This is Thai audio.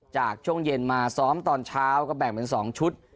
ช่วงเย็นมาซ้อมตอนเช้าก็แบ่งเป็น๒ชุด